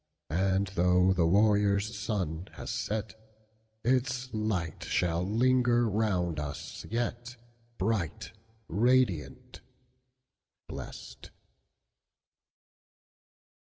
And, though the warrior's sun has set, Its light shall linger round us yet, Bright, radiant, blest.